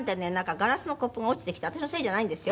ガラスのコップが落ちてきて私のせいじゃないんですよ。